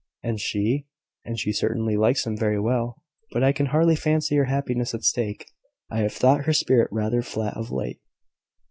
"And she ?" "And she certainly likes him very well; but I can hardly fancy her happiness at stake. I have thought her spirit rather flat of late."